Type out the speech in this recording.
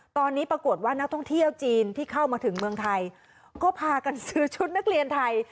ตอนนี้ปรากฏว่านักท่องเที่ยวจีนที่เข้ามาถึงเมืองไทยก็พากันซื้อชุดนักเรียนไทย